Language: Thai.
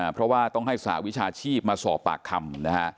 เพราะว่าต้องให้สหวิชาชีพมาสอบปากคำนะฮะ